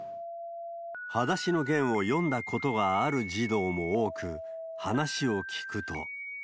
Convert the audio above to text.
はだしのゲンを読んだことがある児童も多く、話を聞くと。